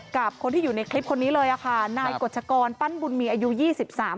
กับคนที่อยู่ในคลิปคนนี้เลยอ่ะค่ะนายกฎชกรปั้นบุญมีอายุยี่สิบสาม